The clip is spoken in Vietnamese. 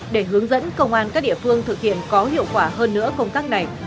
để hướng dẫn công an các địa phương thực hiện có hiệu quả hơn nữa công tác này